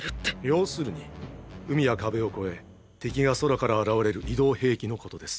要するに海や壁を越え敵が空から現れる移動兵器のことです。